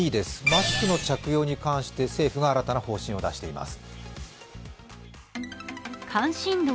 マスクの着用に関して、政府が新たな方針を出しています。